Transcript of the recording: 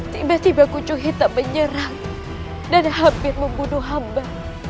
tiba tiba kunjung hitam menyerang dan hampir membunuh hamba